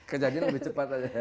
kejadian lebih cepat